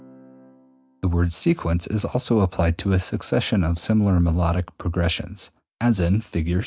] The word sequence is also applied to a succession of similar melodic progressions, as in Fig.